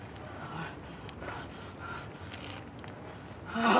ああ。